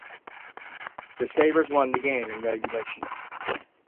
The Sabres won the game in regulation.